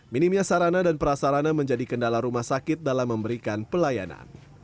minimnya sarana dan prasarana menjadi kendala rumah sakit dalam memberikan pelayanan